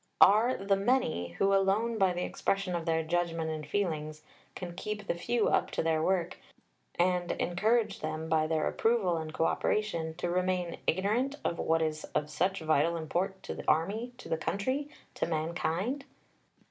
Are the many, who alone by the expression of their judgment and feelings can keep the few up to their work, and encourage them by their approval and co operation, to remain ignorant of what is of such vital import to the army, to the country, to mankind?"